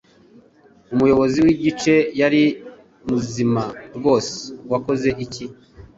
Umuyobozi w'igice yari muzima rwose. Wakoze iki?